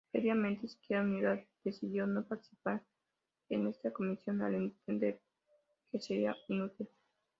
Previamente, Izquierda Unida decidió no participar en esa Comisión al entender que sería inútil.